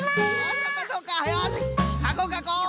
よしかこうかこう！